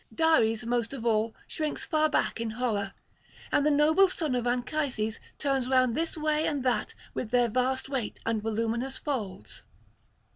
Dares most of all shrinks far back in horror, and the noble son of Anchises turns round this way and that their vast weight and voluminous folds.